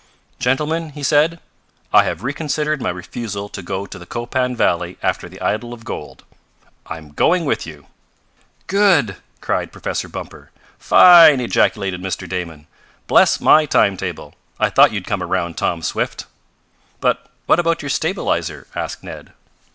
"Gentlemen," he said, "I have reconsidered my refusal to go to the Copan valley after the idol of gold. I'm going with you!" "Good!" cried Professor Bumper. "Fine!" ejaculated Mr. Damon. "Bless my time table! I thought you'd come around, Tom Swift." "But what about your stabilizer?" asked Ned.